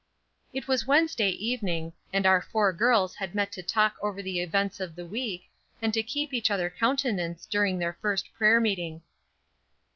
It was Wednesday evening, and our four girls had met to talk over the events of the week, and to keep each other countenance during their first prayer meeting.